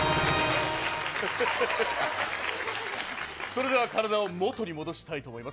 それでは、体を元に戻したいと思います。